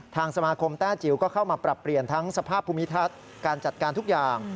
ทางสมาคมแต้จิ๋วก็เข้ามาปรับเปลี่ยนทั้งสภาพภูมิทัศน์การจัดการทุกอย่าง